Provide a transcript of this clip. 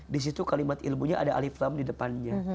disitu kalimat ilmunya ada alif lam di depannya